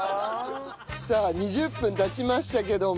さあ２０分経ちましたけども完成？